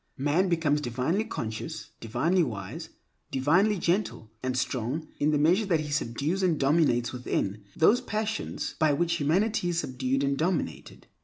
Man becomes divinely conscious, divinely wise, divinely gentle and strong in the measure that he subdues and dominates within, those passions by which humanity is subdued and dominated.